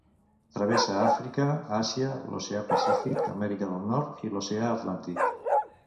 Travessa Àfrica, Àsia, l'Oceà Pacífic, Amèrica del Nord i l'Oceà Atlàntic.